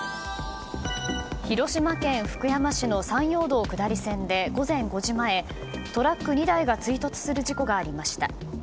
広島県福山市の山陽道下り線で午前５時前、トラック２台が追突する事故がありました。